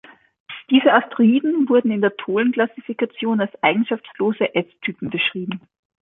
Diese Asteroiden wurden in der Tholen-Klassifikation als „eigenschaftslose“ S-Typen beschrieben.